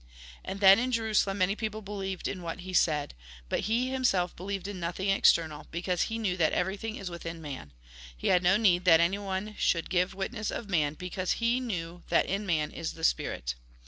And then in Jerusalem many people believed in what he said. But he himself believed in nothing external, because he knew that everything is within man. He had no need that anyone should give witness of man, because he knew that in man is the spirit.